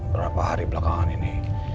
berapa hari belakangan ini